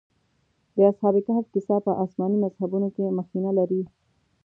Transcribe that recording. د اصحاب کهف کيسه په آسماني مذهبونو کې مخینه لري.